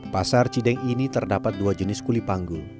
pasar cideng ini terdapat dua jenis kulipanggul